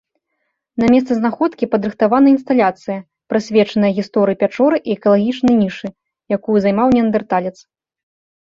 На месцы знаходкі падрыхтавана інсталяцыя, прысвечаная гісторыі пячоры і экалагічнай нішы, якую займаў неандэрталец.